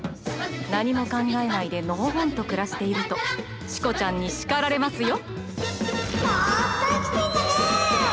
なにもかんがえないでのほほんとくらしているとチコちゃんにしかられますよ」。